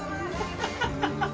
ハハハハ！